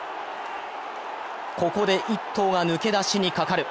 ここで１頭が抜け出しにかかる。